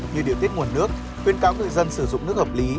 như điều tiết nguồn nước khuyến cáo người dân sử dụng nước hợp lý